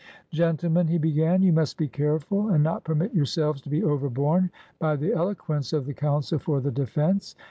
"Gentlemen," he began, "you must be careful and not permit yourselves to be overborne by the eloquence of the counsel for the defense.